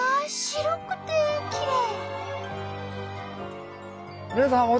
白くてきれい！